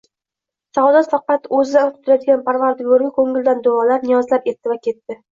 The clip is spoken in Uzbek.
Saodat faqat O'zidan qutiladigan Parvardigoriga ko'ngildan duolar, niyozlar etdi va ketdi.